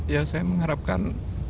ya saya mengharapkan